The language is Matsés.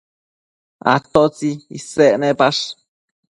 atotsi isec nepash?